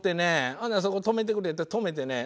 ほんで「そこ止めてくれ」言うて止めてね。